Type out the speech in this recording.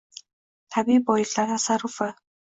Tabiiy boyliklar tasarrufi.